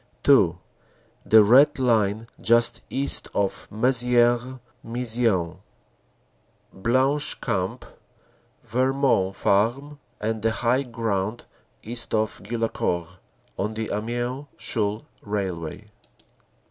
(2) The Red Line, just east of Mezieres Maison Blanche Camp Vermont Farm and the high ground east of Guillaucourt, on the Amiens Chaulnes railway.